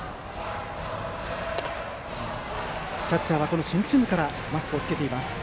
キャッチャーは新チームからマスクをつけています。